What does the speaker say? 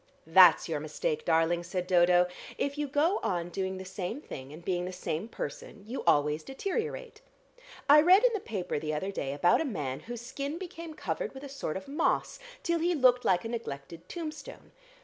"That's your mistake, darling," said Dodo. "If you go on doing the same thing, and being the same person, you always deteriorate. I read in the paper the other day about a man whose skin became covered with a sort of moss, till he looked like a neglected tombstone.